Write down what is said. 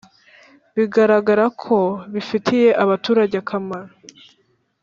bigaragara ko bifitiye abaturage akamaro